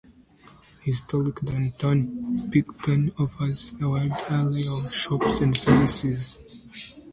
Historic downtown Picton offers a wide array of shops and services.